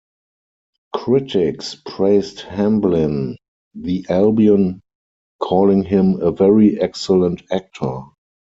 Critics praised Hamblin; the "Albion" calling him "a very excellent actor".